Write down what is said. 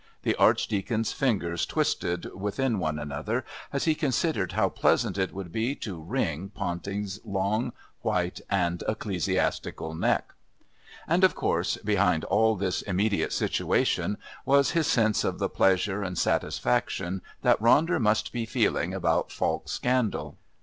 The Archdeacon's fingers twisted within one another as he considered how pleasant it would be to wring Ponting's long, white and ecclesiastical neck. And, of course, behind all this immediate situation was his sense of the pleasure and satisfaction that Ronder must be feeling about Falk's scandal.